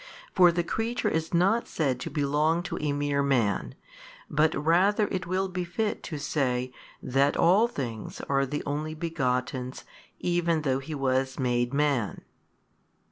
For the creature is not said to belong to a mere man 6, but rather it will befit to say that all things are the Only Begotten's even though He was made Man.